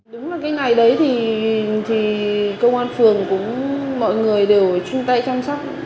đúng là cái ngày đấy thì công an phường cũng mọi người đều chung tay chăm sóc